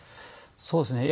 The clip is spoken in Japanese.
そうですね。